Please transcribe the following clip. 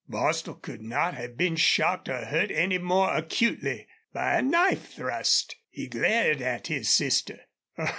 Bostil could not have been shocked or hurt any more acutely by a knife thrust. He glared at his sister.